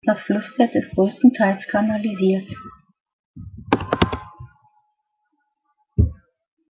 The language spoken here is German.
Das Flussbett ist größtenteils kanalisiert.